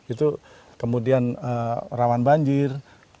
itu kemudian rawan banjir